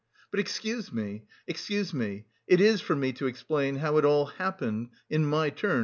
"But excuse me, excuse me. It is for me to explain... how it all happened... In my turn...